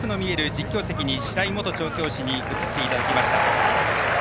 実況席に白井元調教師に移っていただきました。